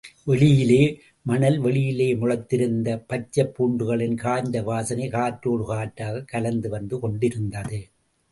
வெளியிலே, மணல் வெளியில் முளைத்திருந்த பச்சைப் பூண்டுகளின் காய்ந்த வாசனை காற்றோடு காற்றாகக் கலந்து வந்து கொண்டிருந்தது.